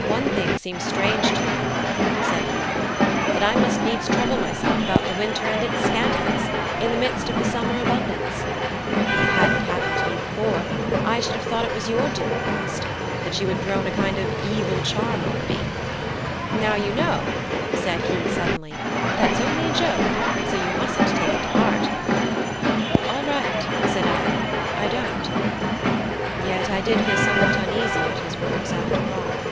"One thing seems strange to me," said he "that I must needs trouble myself about the winter and its scantiness, in the midst of the summer abundance. If it hadn't happened to me before, I should have thought it was your doing, guest; that you had thrown a kind of evil charm over me. Now, you know," said he, suddenly, "that's only a joke, so you mustn't take it to heart." "All right," said I; "I don't." Yet I did feel somewhat uneasy at his words, after all.